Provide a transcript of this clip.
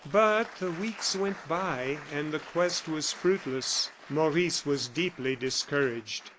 But the weeks went by, and the quest was fruitless. Maurice was deeply discouraged.